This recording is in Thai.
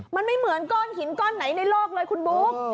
มันไม่เหมือนก้อนหินก้อนไหนในโลกเลยคุณบุ๊ค